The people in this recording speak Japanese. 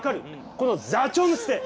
この座長の姿勢！